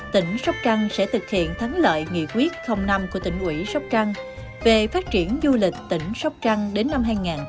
tỉnh sóc trăng sẽ thực hiện thắng lợi nghị quyết năm của tỉnh ủy sóc trăng về phát triển du lịch tỉnh sóc trăng đến năm hai nghìn hai mươi